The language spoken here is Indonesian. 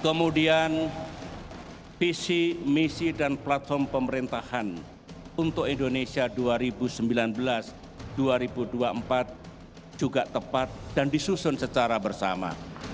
kemudian visi misi dan platform pemerintahan untuk indonesia dua ribu sembilan belas dua ribu dua puluh empat juga tepat dan disusun secara bersama